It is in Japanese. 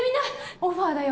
オファーだよ。